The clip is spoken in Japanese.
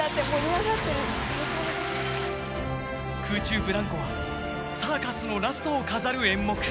空中ブランコはサーカスのラストを飾る演目。